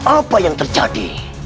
apa yang terjadi